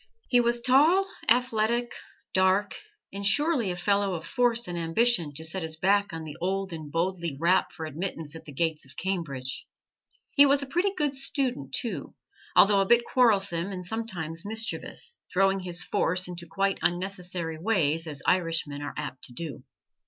He was tall, athletic, dark, and surely a fellow of force and ambition to set his back on the old and boldly rap for admittance at the gates of Cambridge. He was a pretty good student, too, although a bit quarrelsome and sometimes mischievous throwing his force into quite unnecessary ways, as Irishmen are apt to do.